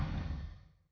presensi mu comer bekerja